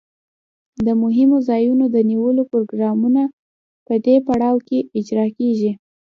د مهمو ځایونو د نیولو پروګرامونه په دې پړاو کې اجرا کیږي.